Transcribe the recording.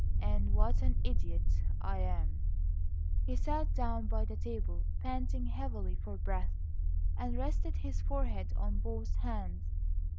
"And what an idiot I am!" He sat down by the table, panting heavily for breath, and rested his forehead on both hands.